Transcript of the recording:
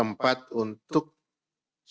kemenpun kemenpun kemenpun kemenpun